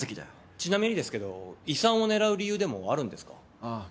ちなみにですけど遺産を狙う理由でもあるんですか？ああ。